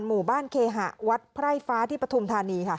หมู่บ้านเคหะวัดไพร่ฟ้าที่ปฐุมธานีค่ะ